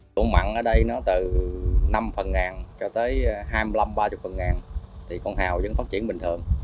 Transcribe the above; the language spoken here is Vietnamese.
nước mặn ở đây từ năm phần ngàn cho tới hai mươi năm ba mươi phần ngàn con hào vẫn phát triển bình thường